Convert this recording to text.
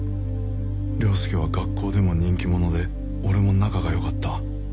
良介は学校でも人気者で俺も仲が良かった